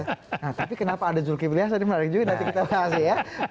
tapi kenapa ada julki fliassan